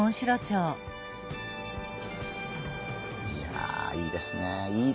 いやいいですねいい。